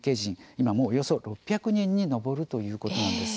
今もおよそ６００人に上るということなんです。